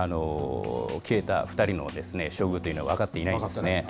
消えた２人の処遇というのは分かっていないんですね。